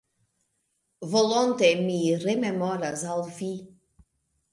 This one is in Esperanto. Volonte mi rememoras al Vi.